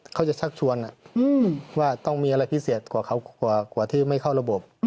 เขาจะชักชวนว่าต้องมีอะไรพิเศษกว่าที่ไม่เข้าระบบ